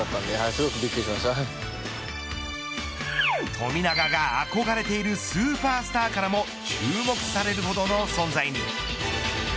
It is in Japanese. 富永が憧れているスーパースターからも注目されるほどの存在に。